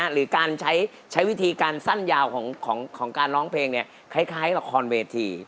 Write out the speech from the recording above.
หรือการใช้วิธีการสั้นยาวของการร้องเพลงคล้ายละครเวที